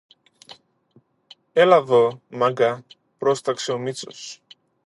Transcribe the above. Έλα δω, Μάγκα, πρόσταξε ο Μήτσος.